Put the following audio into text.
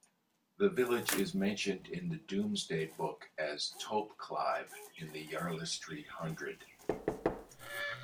The village is mentioned in the "Domesday Book" as "Topeclive" in the "Yarlestre hundred.